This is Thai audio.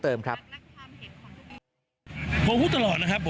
ทำต้มมันนัก